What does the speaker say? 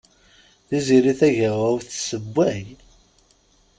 Tiziri Tagawawt tesewway.